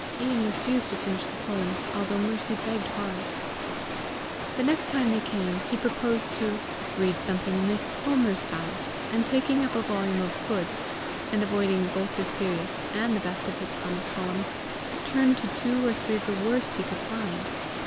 Ian refused to finish the poem, although Mercy begged hard. The next time they came, he proposed to "read something in Miss Palmer's style," and taking up a volume of Hood, and avoiding both his serious and the best of his comic poems, turned to two or three of the worst he could find.